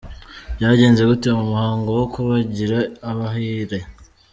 Byagenze gute mu muhango wo kubagira abahire?.